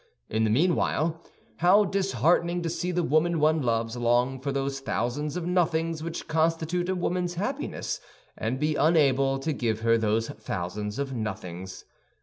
In the meanwhile, how disheartening to see the woman one loves long for those thousands of nothings which constitute a woman's happiness, and be unable to give her those thousands of nothings.